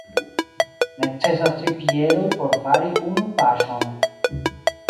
Necesas tri piedoj por fari unu paŝon.